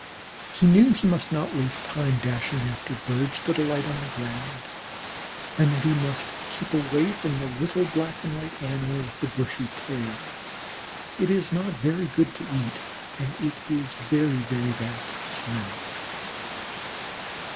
He knew he must not waste time dashing after Birds that alight on the ground; and that he must keep away from the little black and white Animal with the bushy tail. It is not very good to eat, and it is very, very bad to smell.